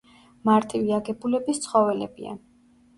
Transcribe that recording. მარტივი აგებულების ცხოველებია.